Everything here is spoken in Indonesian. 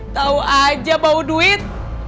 tau aja bau duit